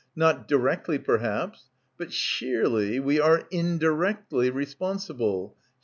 Not directly, perhaps. But sheerly we are indirectly responsible.